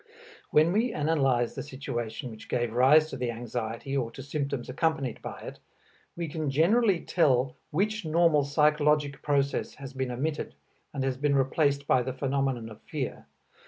When we analyze the situation which gave rise to the anxiety or to symptoms accompanied by it, we can generally tell which normal psychologic process has been omitted and has been replaced by the phenomenon of fear.